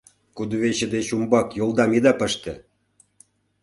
— Кудывече деч умбак йолдам ида пыште!